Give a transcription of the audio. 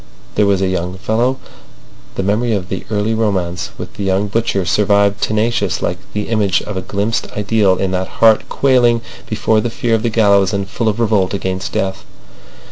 There was a young fellow—" The memory of the early romance with the young butcher survived, tenacious, like the image of a glimpsed ideal in that heart quailing before the fear of the gallows and full of revolt against death.